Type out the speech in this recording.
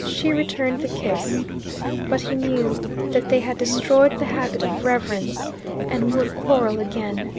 She returned the kiss. But he knew that they had destroyed the habit of reverence, and would quarrel again.